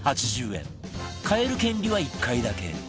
買える権利は１回だけ